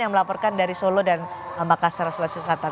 yang melaporkan dari solo dan makassar sulawesi selatan